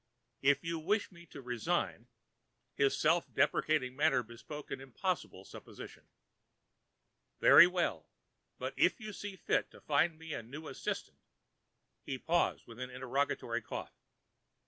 If you wish me to resign"—his self deprecatory manner bespoke an impossible supposition—"very well. But, if you see fit to find me a new assistant——" He paused, with an interrogatory cough.